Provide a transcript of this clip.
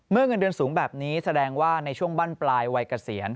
เงินเดือนสูงแบบนี้แสดงว่าในช่วงบั้นปลายวัยเกษียณ